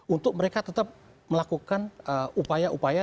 untuk mereka tetap melakukan upaya upaya